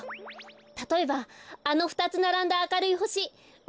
たとえばあのふたつならんだあかるいほしわかりますか？